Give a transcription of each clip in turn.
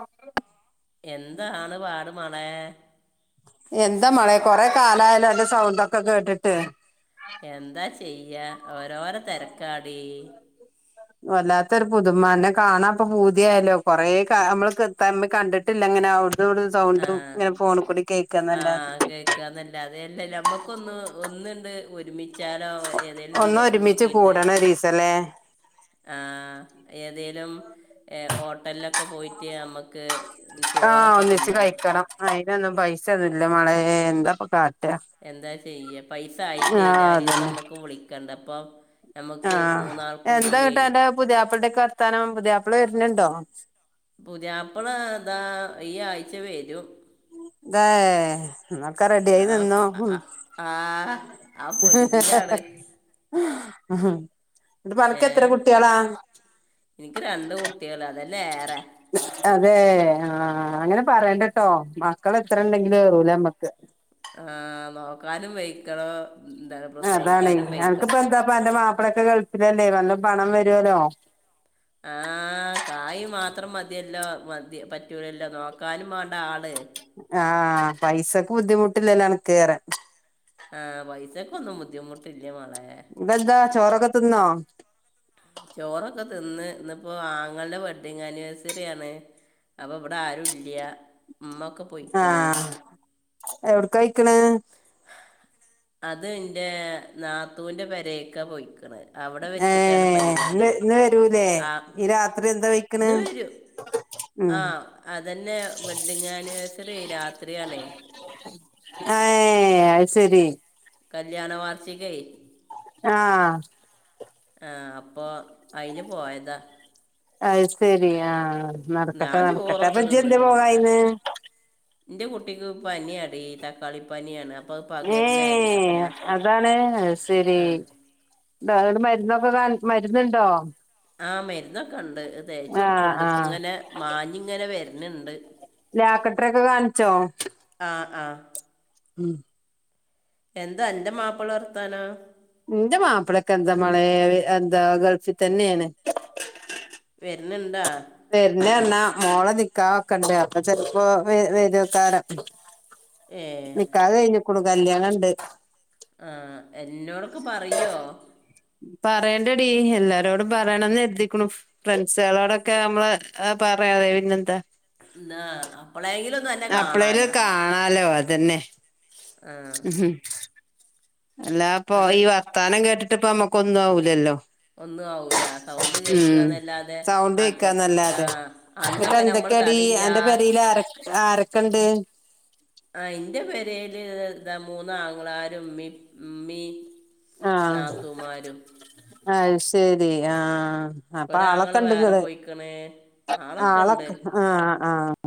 ഒക്കെ എന്നാ എന്താണ് പാട് മളെ എന്താ മളെ കൊറെ കാലായല്ലോ അന്റെ സൗണ്ട് ഒക്കെ കേട്ടിട്ട് എന്താ ചെയ്യ ഓരോരോ തെരക്കാടി വല്ലാത്ത ഒരു പുതുമ അനെ കാണാത്ത അപ്പ പൂതിയായല്ലോ കൊറേ കാല നമ്മള് തമ്മി കണ്ടിട്ടില്ല അങ്ങനെ ആവുട് അത ആ സൗണ്ട് ഇങ്ങനെ ഫോണിൽ കൂടി കേൾക്കാന്ന് അല്ലാതെ കെന്ന് അല്ലതെ ഞമ്മക്കൊന്ന് ഒന്നിണ്ട് ഒരുമിച്ച് ച്ചാലോ ഏതേലും ഒന്ന് ദിവസം ഒരുമിച്ച് നോക്കിട്ട് കൂടണം ഒരീസല്ലേ ആഹ് ഏതെലും എ ഹോട്ടലില് ഒക്കെ പോയിട്ട് ഞമ്മക്ക് ഇന്ന് ചോറാ ആഹ് ഒന്നിച്ച് കഴിക്കണം അയിന് ഒന്നും പൈസ ഒന്നും ഇല്ല മളെ എന്താ ഇപ്പ കാ എന്താ ചെയ്യ പൈസ ആയിട്ട് ആഹ് ഞാന് ഒരു ദിവസം അതന്നെ നമ്മക്ക് വിളിക്കണ്ട അപ്പ ആഹ് എന്താ കേട്ടാ എന്റെ പുതിയാപ്പടെ ഒക്കെ വർത്താനം പുതിയാപ്പിള വരണണ്ടോ പുതിയാപ്പള ഇതാ ഈ ആഴ്ച വെരും ദെ എന്ന ഒക്കെ റെഡി ആയി ആ നിന്നോ ആ- ആ ആ പൊലിവിലാണ് ഉം എന്നട്ട് പ്പഅനക്കത്ര കുട്ടിയളാ ഇനിക്ക് രണ്ട് കുട്ടിയളാ അതന്നെ ഏറെ അതെ ആഹ് അങ്ങനെ പറയണ്ടട്ടോ മക്കള് എത്ര ഉണ്ടെങ്കിലും കേറൂല നമ്മക്ക് ആ നോക്കാനും വെയ്ക്കണം എന്ത പ്രസവി ക്കാനും വെയ്ക്കണം ഇപ്പന്റെ മാപ്പളെ ഒക്കെ ഗൾഫിലല്ലേ നല്ല പണം വരുല്ലോ ആഹ് കായ് മാത്രം മതിയല്ലോ മതി പറ്റൂലല്ലോ നോക്കാനും വേണ്ട ആള് ആഹ് പൈസക്ക് ബുദ്ധിമുട്ടില്ലല്ല അനക്ക്റയാ ആഹ് പൈസക്കന്നും ബുദ്ധിമുട്ടില്ലേ മളെ ന്നതാ ചോറക്കത്തന്നോ ചോറൊക്കെ തിന്ന് ഇന്നിപ്പോ ആങ്ങളന്റെ വെഡ്ഡിങ് ആനിവേഴ്സറിയാണ് അപ്പൊ ഇവിടെ ആരും ഇല്ല്യ ഉമ്മക്കെ ആഹ് എവിടെക്കാ കഴിക്കണ അത് ന്റെ നാത്തൂന്റെ പേരെക്കെ പൊയിക്കണ് അവിടെ വെച്ചിട്ടാണ് ഏഹ് പരിപാടി ഇന്ന് ഇന്ന് വരൂലേ ആ ഈ രാത്രി എന്താ വയ്ക്കണ് ആഹ് അതന്നെ വെഡ്ഡിങ് ആനിവേഴ്സറി രാത്രി ആണേ ഏഹ് അയ്ശരി കല്യാണ വാർഷികേ ആഹ് ആഹ് അപ്പൊ അയ്ന് പോയതാ അത് ശെരി ആഹ് നടക്കട്ടെ ഞാൻ നടക്കട്ടെ ചോറൊക്കെ അപ്പ ജ്ജ് എന്ത് പോകായിന്ന് ന്റെ കുട്ടിക്ക് പനിയാഡീ തക്കാളി പനിയാണ് അപ്പൊ അത് പകരണല്ലേ അപ്പൊ ഏഹ് ഞാൻ അതാണ് അഅ് സരി ആ ഇഹ് മരുന്നൊക്കെ കാ മരുന്നുണ്ടോ ആഹ് മരുന്നൊക്കെ ഉണ്ട് തേച്ച് ആഹ് കൊടുക്ക്ണ്ട് ഇപ്പ ആഹ് ഇങ്ങനെ മാഞ്ഞിങ്ങനെ വരണണ്ട് ലാക്കട്ടൊറെക്കെ കാണിച്ചോ ആഹ് ആഹ് ഉം എന്താ അന്റെ മാപ്പിള വർത്താനാ ന്റെ മാപ്പൾക്കെന്താ മളെ എന്താ ഗൾഫി തന്നെയാണ് വരണണ്ടാ വെരുന്ന എണ്ണാ മോളെ നിക്കാഹൊക്കെണ്ട് അപ്പൊ ചെലപ്പോ വ വേരുവക്കാരം ഏഹ് ക്കാഹ് കഴിഞ്ഞിക്കുണു കല്യാണണ്ട് ആഹ് എന്നോടൊക്കെ പറയോ പറയണ്ടടി എല്ലാരോടും പറയണന്ന് എരുതി ക്ക്ണു ഫ്രണ്ട്സുകളോടൊക്കെ നമ്മള് പറയാറേ പിന്നെന്താ എന്നാ അപ്പോളെങ്കിലു ഒന്നന അപ്പളെലു കാണാലോ അതന്നെ ആ ഉം അല്ല അപ്പൊ എന്നിട്ട് ഈ ഒയ് ത്താ. നം കേട്ടിട്ടപ്പ നമ്മുക്കൊന്നും ആവൂലല്ലോ ഒന്നു ആവൂല്ല സൗണ്ട് ഉം കേക്കന്നല്ലാതെ അ ആഹ് ന്നിട്ട് എന്തൊക്കെടി അന്റെ പേരേല് ആരെ ആരൊക്കെണ്ട് ആഹ് ഇന്റെ പേരേല് എന്താ മൂന്നാങ്ങളാരും ഇ മ്മീം നാത്തുമാരും അഅ് ശരി ആഹ് അപ്പൊ ആളൊക്കെ ഒരാങ്ങള് വേറെ ഇണ്ടങ്ങള് പോയിക്കണ് ആളൊക്കെ ആഹ് ആഹ്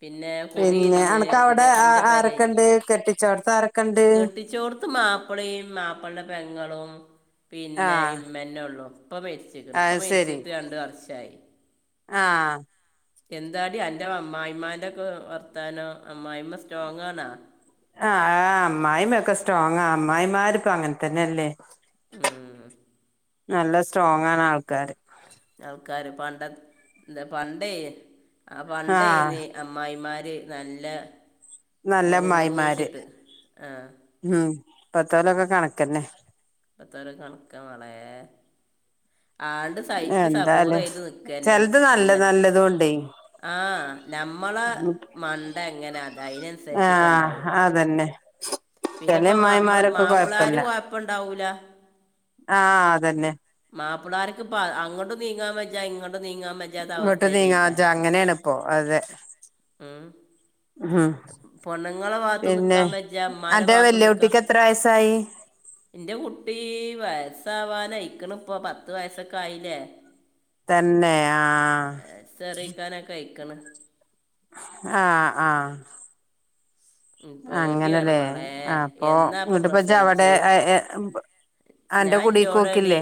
പിന്നെ പിന്നെ കുടിയിരുന്ന് അനക്ക് അവിടെ ഇന്റെ ഇൻ്റെ പേരെ ആരൊക്കെണ്ട് കെട്ടിച്ചോടത്ത് ആരൊക്കെണ്ട് കെട്ടിച്ചോട് ത്ത് മാപ്‌ളെം മാപ്പ്ളൻ്റെ പെങ്ങളും പിന്നെ ആഹ് ഇമ്മന്നെ ഉള്ളൂ ഉപ്പ മരിച് ട്ടിക്ക്ണ് ഇപ്പ അത് ശരി മരിച്ചിട്ട് രണ്ട് വർഷായി ആഹ് എന്താടി അന്റെ അമ്മായിമ്മാന്റൊക്കെ വർത്താന അമ്മായിമ്മ സ്ട്രോങാണാ ആഹ് ഹ് അമ്മായമ്മൊക്കെ സ്ട്രോങാ അമ്മായിമ്മാര്പ്പ അങ്ങനെ തന്നല്ലേ ഉം നല്ല സ്ട്രോങ്ങാണ് ആൾക്കാര് ആൾക്കാര് പണ്ട ന്താ പണ്ടെയ് ആ പണ്ടെയ്‌നി ആഹ് അമ്മായിമാര് നല്ല മുറു മുറു നല്ലമ്മായിമാര് ച്ചിട്ട് ആഹ് ഉം പത്തോലൊക്കെ കണക്കന്നെ ഇപ്പത്തൊര് കണക്ക മളെ ആണ്ട് സഹിച്ച് എന്താലും സബൂറെയ്ത് നിക്കന്നെ ചെലത് നല്ല നല്ലതുണ്ടേ ആഹ് നമ്മള മണ്ട എങ്ങനെ അത അയ്നൻസരിച്ചിട്ട അ ആഹ് അതന്നെ ചെലമ്മായിമാരൊക്കെ കൊയപ്പല്ല ണ്ടാവൂല ആഹ അതന്നെ മാപ്പിളാർക്ക് ഇപ്പ അങ്ങട്ടും നീങ്ങാ വജ്ജ ഇങ്ങോട്ടു നീങ്ങാ വ ഇങ്ങോട്ട് നീങ്ങാ വജ്ജ അങ്ങനായണ ഇപ്പോ അതെ ഉ ഉം പൊണ്ണുങ്ങളെ ഭാഗത്തു നിക്കാ മജ ഉമ്മാന്റെ ഭാഗത്തു നിക്കാം ത്തയസായി എന്റെ കുട്ടി വയസ്സവാനയിക്കണ ഇപ്പൊ പത്ത് വയസ്സൊക്കെ ആയില്ലേ തന്നെയ ആഹ് സെറിക്കാനാ കഴിക്കണു ആഹ് ആഹ് ഉ പേടിയാണ് അങ്ങനല്ലേ മളെ അപ്പൊ എന്നന്താപ്പൊ ഇങ്ങട്ടിപ്പ ഇജ്ജ് അവിടെ പ്രസവിച്ച് അന്റെ ഞാൻ കുടീക്ക് എൻറ്റോടടി പോക്കില്ലേ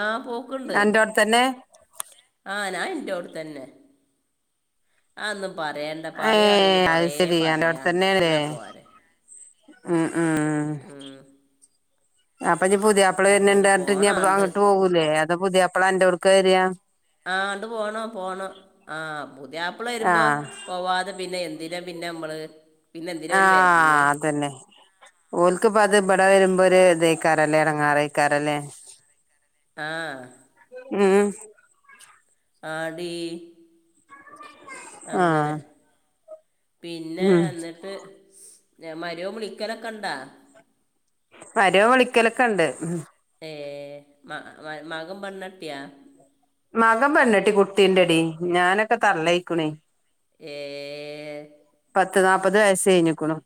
ആ ഹ്പോക്കണ്ട് അന്റോടെ തന്നെ ആനാ എന്റോടെ തന്നെ ആ ഒന്നും പറയാണ്ട എ ഏ പറയുയാണെങ്കിൽ അത് കുറേ ശരി അന്റെ അവിടെ പറയാനുണ്ട് തന്നെയാല്ലേ എന്നാ പോരെ ഉം ഉം ഉം അപ്പൊ ഞ പുതിയയാപ്പളള് അങ്ങനെ വരണ്ടിട്ട് ഇ പോണാണ്ട് അങ്ങട്ട് പോകലേ അതാ പുതിയാപ്പിള എന്റെടുക്ക വരിയാ ആഹ് അണ്ട് പോണ പോണം ആഹ പുതിയയാപ്പിള് വരുമ്പോ ആഹ് പോവാതെ പിന്നെ എ പിന്നെ പിന്നെ നമ്മള് പിന്നെ എന്തിന അവരു വരണേ തന്നെ ഓൽക്കിപ്പ അത് ഇവിട വരുമ്പോ ഒരു ഇതക്കാറല്ലേ ഇടങ്ങാറക്കാറല്ലേ ആഹ് ഉം ആടി അങ്ങനെ ആഹ് പിന്നെ ഉം എന്നിട്ട് മരുമോൻ വിളിക്കലൊക്കെ ഉണ്ടാ വരോം വിളിക്കലൊക്കെ ഉണ്ട് ഏ മകൻ പെണ്ണ് കെട്ടിയാ മകൻ പെണ്ണിട്ടി കുട്ടീ ഉണ്ടെടീ ഞാനൊക്കെ തള്ള ആയിക്കണേ ഏ പത്ത് നാപ്പത് വയസ് കഴിഞ്ഞേക്കണ്ടു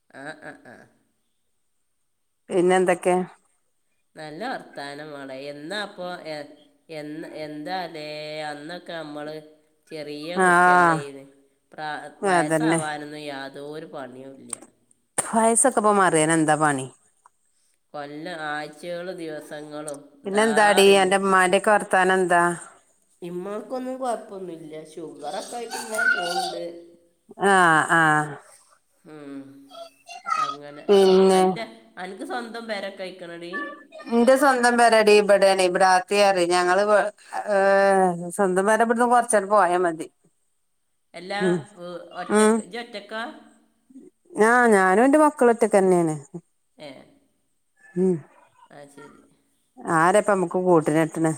[unintelligible] പിന്നെ എന്തൊക്കെ നല്ല വർത്താനംമാളെ എന്നാ അപ്പൊ എ എന്താലേ അന്നൊക്കെ നമ്മള് ചെറിയ കുട്ടികള ആഹ് പ്ര അതന്നെ വയസ്സാവാനൊന്നും യാതൊരു പണിയുംല്ല വയസൊക്കെ പ്പ മാറിയ നന്താ പണി കൊല്ലം ആഴ്ചകളും ദിവസങ്ങളും ഇതാ അറിയും പം മ്മാന്റെ ക്കെ വർ ത്താനംന്താ ഇമ്മക്കൊന്നും കൊഴപ്പൊന്നുംല്ല ഷുഗർ ഒക്കെ ആയിട്ട് ഇങ്ങനെ പോണുണ്ട് ആഹ് ആഹ് ഉ അങ്ങനെ പിന്നെ അന്റെ അൻക്ക് സ്വന്തം പേരെക്കെ ആയെക്കണടീ എന്റെ സ്വന്തം പേരാടി ഇവിടെയാണ് ഇവിടെ ആത്തിയറി ഞങ്ങള് സ്വന്തം പരാ ഇവടുന്ന് കൊർ ചെറുപ്പായ മതി എല്ലാ ഉം ഉം ഒറ്റക്ക് ജ്ജ് ഒറ്റക്ക ആഹ് ഞാനും ന്റെ മക്കളും ഒറ്റക്കന്നേണ് അയ്ശരി ആരപ്പ മ്മക്ക് കൂട്ടിനിട്ട്ണ്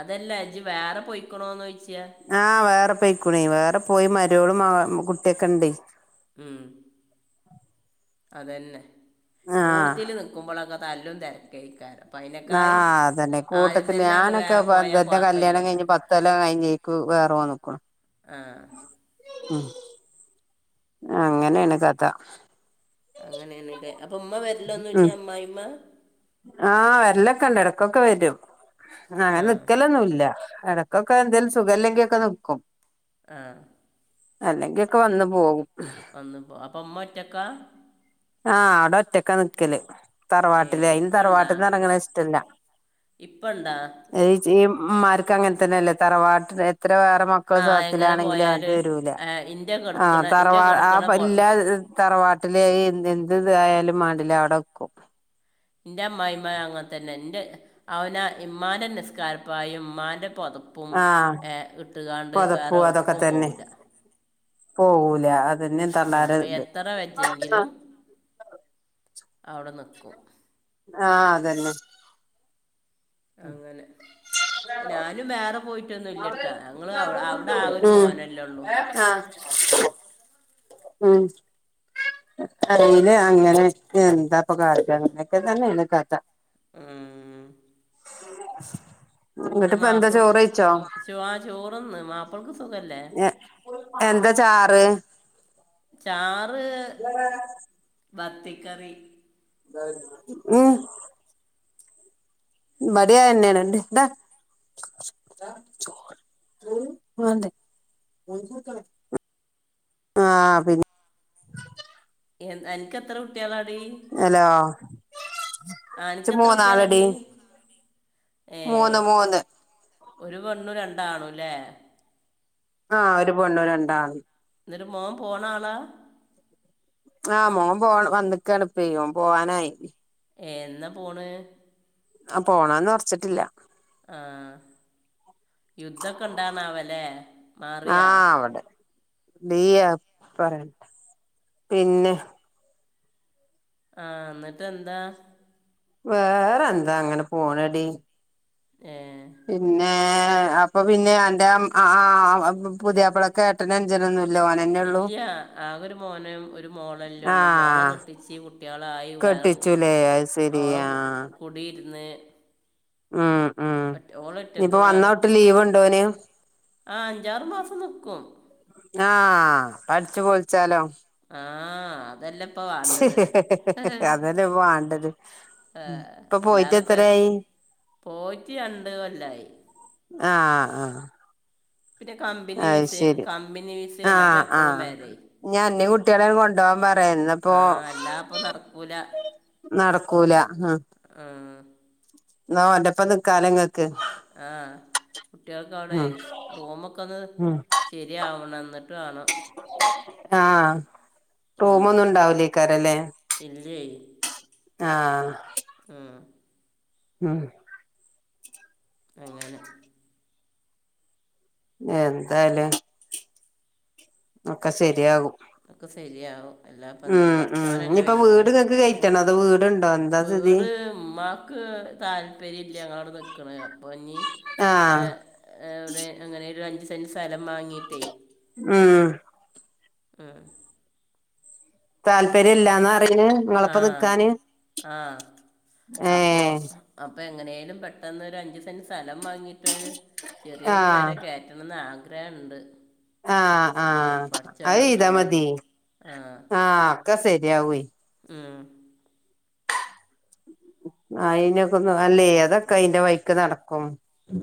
അതല്ല ജ്ജ് വേറെ പൊയിക്കണോന്ന് ചോയ്ച്ച ആഹ് വേറെ പെയ്ക്കുണേ വേറെ പോയി മരോളും മാ കുട്ടിയൊക്കെ ഇണ്ടേ ഉം അതന്നെ ആഹ് കൂടുത്തിൽ നിക്കുമ്പോളൊക്കെ തല്ലും തെരക്കായിക്കാരം ആഹ് അതന്നെ കൂട്ടത്തില് ആണ്ട് വേറെ പോയാൽ ഞാനൊക്കെപ്പന്തെന്റെ കല്യാണം കുഴപ്പമില്ലല്ലോ കയിഞ്ഞ് പത്തൊല്ലം കയിഞ്ഞേ ക്ക്‌ വേറെ പോന്ന്ക്ക്‌ണു ആഹ് ഉം അങ്ങനേണ് കഥ അങ്ങനേണ്ല്ലേ അപ്പൊ ഉമ്മ വെരല്ലൊന്നുല്ല ഉം അമ്മായിമ്മ ആഹ് വെരലൊക്കെ ഇണ്ട് എടക്കൊക്കെ വെരും ആ അങ്ങനെ നിക്കലൊന്നൂല്ല എടക് ക്കൊക്കെന്തേലും സുഖല്ലെങ്കി ഒക്കെ നിക്കും ആഹ് അല്ലെങ്ക്യൊക്കെ വന്ന് പോവും വന്ന്പ്പോ അപ്പം ഉമ്മൊറ്റക്കാ? ആഹ് ആടെ ഒറ്റക്കാ നിക്കല് ഏ തറവാട്ടില് അയിന് ഇപ്പണ്ടാ തറവാട്ടിന്ന് എറങ്ങണ ഇഷ്ട്ടല്ല ഇപ്പണ്ടാ അയ് ജ്ജീ ഇമ്മാർക്ക് അങ്ങനെ തന്നെയല്ലേ തറവാട്ടിൽ എത്ര വേറെ മ ക്കള് ആ എങ്ങനെ സൊഖത്തിലാണെങ്കിലും പോയാൽ അങ്ങട്ട് വെരൂല ഇൻ്റെ ആഹ് കിടക്കണ ഇൻ്റെ തറവാ കിടക്കണ ആഹ് ഇല്ല പൊ [unintelligible] തറവാട്ടില് എ എന്ത് ഇതായാലും മാണ്ടിലാ അവിടെക്കും ന്റെ അമ്മായിമ്മ അങ്ങൻ തന്നെ ഇന്റെ അവനാ ഇമ്മാന്റെ നിസ്കാരപ്പായും ഇമ്മാന്റെ പൊതപ്പ് പ്പും ആഹ് ഏഹ് ഇട്ടുങ്കാണ്ട് വേറെ പൊതപ്പും എവിടുക്കും പോവൂല്ലാ പോവൂലാ അത് ആഹ് എത്ര ആഹ് വജ്ജങ്കിലും അവിടെ നിക്കും. ആഹ് അതന്നെ അങ്ങനെ ഞാനും വേറെ പോയി റ്റൊന്നും ഇല്ലട്ടാ ഞങ്ങള് അവ് അവിടെ ആകൊരു ഉം മോനല്ലേ ഉള്ളൂ ആഹ് ഉം അറിയിലാ അങ്ങനെ എന്താപ്പ കാട്ടാ അങ്ങനെക്കെ തന്നേണ് കഥ ആഹ് ന്നിട്ട് ഇങ്ങട്ടിപ്പ എന്താ മാപ്പിൾക്ക് ചോറ് കഴിച്ചോ [unintelligible] ആഹ് ചോറ്ന്ന് മാപ്പിളക്ക് സുഖല്ലേ ഞാ എന്താ ചാറ് ചാറ് മത്തിക്കറി ഉം ഇബടീം അയന്നേണ് [unintelligible] ചോറ് വാണ്ടേ ആഹ് പിന്നെ എൻ അനക്ക് എത്ര കുട്ട്യാളാടി? ഹലോ ആഹ് ഇച്ച് ആനക്ക് എത്ര കുട്യാളെടി? മൂന്നാളെടി നാല് ഏഹ് മൂന്ന് മൂന്ന് ഒരു പെണ്ണും രണ്ടാണൂല്ലേ ആഹ് ഒരു പെണ്ണും രണ്ടാണും ഇന്ന്ട്ട് മോൻ പോണാളാ ആഹ് മോൻ പോവാ വന്ന്ക്കാണിപ്പേ ഓൻ പോവാനായി ഏഹ് എന്നാ പോണ്? ആഹ് പോണൊന്നും ഒറച്ചിട്ടില്ല ആഹ് യുദ്ധൊക്കെ ഇണ്ടാണാവോല്ലേ? ആ അവടെ ബീ പറ പിന്നെ ആഹ് ന്നിട്ട് എന്താ വേറെന്താ അങ്ങനെ പോണടി ഏഹ് പിന്നെ അപ്പൊ പിന്നെ അന്റെ ആ ബ പു പുതിയപ്പളൊക്കെ ഇല്ല ആകൊരു മോനു ഒരു മോളല്ലേള്ളൂ മോള ആഹ് കെട്ട ട്ടിച്ച് കുട്ട്യാളായി വേറെ കെട്ടിച്ചുലേ അത് ശരി ഓള ആ കു കുടിയിരുന്ന് ഉം ഉം ഒറ്റ ഓളൊറ്റക്ക് ഇനിയിപ്പോ വേറെ വന്നോട്ട് ലീവ് ഉണ്ടോന് ആഹ് അഞ്ചാറ്മാസം നിക്കും ആഹ് അപ്പംഅടിച്ച് പൊളിച്ചാലോ ആ അതല്ലേപ്പാ വാണ്ടത് തെ വാണ്ടത് ഏഹ് ഇപ്പൊ പോയിട്ട് അല്ലാതെപ്പ എത്രായി പോയിറ്റ് രണ്ട് കൊല്ലായി ആഹ് ആ പിന്നെ കമ്പിനിവിസ കമ്പിനിവിസേണ് അപ്പൊ എപ്പളു വെരെ ഞ്ഞി അന്നീ കുട്ട്യോളെ കൊണ്ടുവാപറയിന്നപ്പോ ആ അല്ല അപ്പൊ നടക്കൂല നടക്കൂല അഹ് ആ ന്നാഓൻ്റൊപ്പ നിക്കാല ങ്ങക്ക് ആഹ് കുട്ട്യൾക്കവിടെ റൂമൊക്കൊന്ന് ഉം ശരിയാവണന്നിട്ട് വേണം ആഹ് റൂമൊന്നും ഇണ്ടാവുലേക്കാരല്ലേ ഇല്ലേയ് ആഹ് ഉംഹ് ഉംഹ് അങ്ങനെ എന്താല്ലേ ഒക്കെ സെരിയാ വും ഒക്കെ സെരിയാ വും ഉം ഉം ഇനിപ്പ വീട് ഇങ്ങക്ക് കയറ്റണോ അതോ വീട്ണ്ടോ വീട് ഇമ്മാക്ക് താല്പര്യല്ല ഞങ്ങളടെനിക്കണ അപ്പൊ ഇനി ആഹ് ഏഹ് എവിടെ എങ്ങനെ ലും അഞ്ചുസെന്റ് സെലം മാങ്ങീട്ടേ ഉംഹ് ആഹ് താല്പര്യല്ലാന്നറിന് ആ നിങ്ങളൊപ്പനിക്കാന് ആ ഏഹ് അപ്പോ എങ്ങനേലും പെട്ടെന്നൊരു അഞ്ച് സെന്റ് സെലം വാങ്ങിയിട്ട് ചെറിയൊരു ആഹ് പെരകേറ്റ ണന്ന് ആഗ്രഹണ്ട് ആഹ് ആഹ് അഹ്യ് ദുവാ ചെയ്യ്. തമതി ആഹ് ക്കസെറിയാവേ ഉംഹ് ആഹ് അയിനൊക്കെ അല്ലേ അതൊക്കെ അയിന്റെ വൈയിക്ക് നടക്കും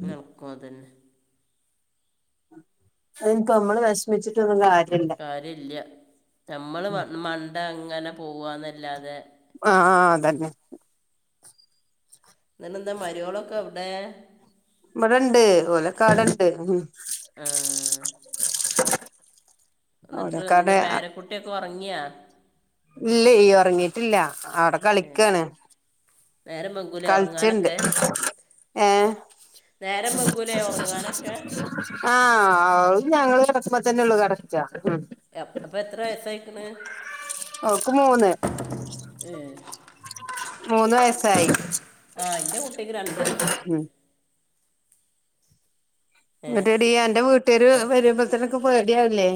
നടക്കുഅതന്നെ അതനിപ്പ അമ്മള് വെഷമിച്ചിട്ടൊന്നുകാര്യല്ല കാര്യല്ല നമ്മള് മ മണ്ട അങ്ങനെ പോവന്നല്ലാതെ ആഹ് അതന്നെ പിന്നന്താ മരുയോളൊക്കെ എവിടെ ഇബിടെണ്ട് ഓലക്കാടണ്ട് ഉം ആഹ് എന്നിട്ട് എന്താ ഓലക്കാടെ പേരക്കുട്ടിയൊക്കെ ഒറങ്ങിയാ ഇല്ലേയ് ഒറങ്ങിട്ടില്ല അവിടെ ഏ, കളിക്കാണ് നേരം വെങ്കൂലെ കളിച്ച്ണ്ട് ഉറങ്ങാനൊക്കെ? ഏഹ് നേരം വെഗുലേ ഉറങ്ങാനൊക്കെ? ആഹ് ഓൾഞങ്ങള് കടക്കുമ്പ തന്നെള്ളൂ കടക്ക. അപ്പൊ എത്ര വയസായിക്ക്ണ് ഓക്ക് മൂന്ന് ഏ മൂന്ന് വയസായി. ആഹ് ഇന്റെ കുട്ടിക്ക് രണ്ട് വയസ്സ് ഇങ്ങട്ടടീ അന്റെ വീട്ടേര് വെരുമ്പത്തനൊക്കെ പേടിയാവല്ലേ?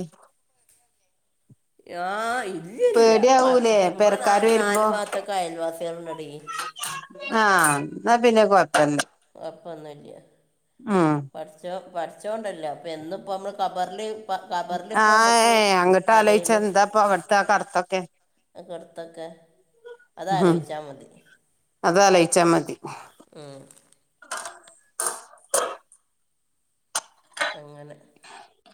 ആഹ് ഇല്ല ഇല്ല പേടിയാവൂലേ ബടെ ന പെരക്കാര് വരുമ്പോ നാല് ഭാഗത്തൊക്കെ അയൽവാസികൾ ഇണ്ടടീ. ആഹ ന്ന പിന്നെ കുഴപല അപ്പൊന്നും ല്ല ഉം പഠചൊം പഠചൊംണ്ടല്ലോ പ്പോ എന്നുപ്പം അമ്മൾ കബറ്‌ല് ആഹ അങ്ങട്ട്ആലോയിച്ചാ ആരെങ്കിലും എന്താപ്പൊ അവിടുത്തെ കടുത്തൊക്കെ ഒക്കെ അടുത്തൊക്കെ അത് ഹും ആലോചിച്ചാൽ മതി അതാലോയിച്ചാ മതി ഉം.. അങ്ങനെ